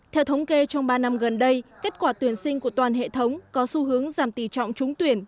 theo thống kê trong ba năm gần đây kết quả tuyển sinh của toàn hệ thống có xu hướng giảm tỷ trọng trúng tuyển